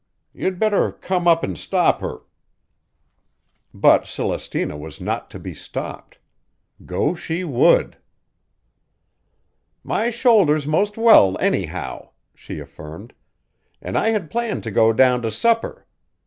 You'd better come up and stop her." But Celestina was not to be stopped. Go she would! "My shoulder's 'most well anyhow," she affirmed, "an' I had planned to go down to supper.